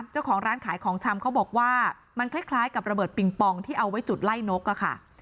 เจ้าของร้านขายของชำเขาบอกว่ามันคล้ายกับระเบิดปิงปองที่เอาไว้จุดไล่นกอะค่ะ